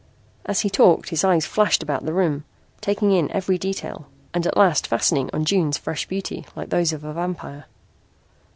As he talked his eyes flashed about the room, taking in every detail and at last fastening on June's fresh beauty like those of a vampire.